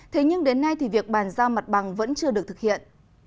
thế nhưng đến nay thì việc bàn giao mặt bằng vẫn chưa được thực hiện